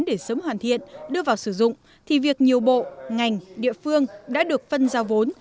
để sớm hoàn thiện đưa vào sử dụng thì việc nhiều bộ ngành địa phương đã được phân giao vốn